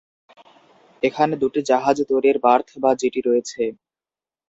এখানে দুটি জাহাজ তৈরির বার্থ বা জেটি রয়েছে।